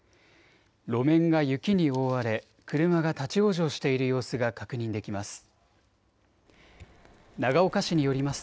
路面が雪に覆われ車が立往生している様子が確認できます。